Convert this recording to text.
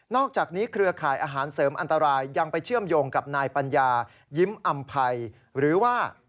อกจากนี้เครือข่ายอาหารเสริมอันตรายยังไปเชื่อมโยงกับนายปัญญายิ้มอำภัยหรือว่า